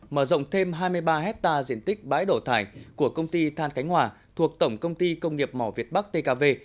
mở rộng thêm hai mươi ba hectare diện tích bãi đổ thải của công ty than cánh hòa thuộc tổng công ty công nghiệp mỏ việt bắc tkv